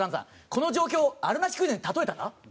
この状況をあるなしクイズに例えたら？」。